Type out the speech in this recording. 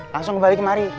langsung kembali kemari